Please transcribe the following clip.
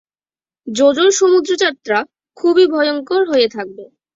জো জো-র সমুদ্রযাত্রা খুবই ভয়ঙ্কর হয়ে থাকবে।